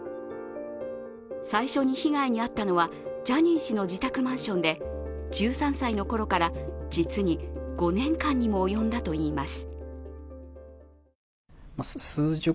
最初に被害に遭ったのはジャニー氏の自宅マンションで、１３歳のころから実に５年間にも及んだといいます。